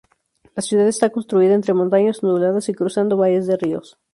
La ciudad está construida entre montañas onduladas y cruzando valles de ríos.